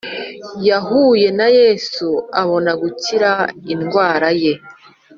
Yahuye na Yesu abona gukira indwara ye